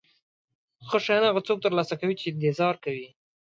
ښه شیان هغه څوک ترلاسه کوي چې انتظار کوي.